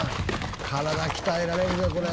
体鍛えられるでこれ。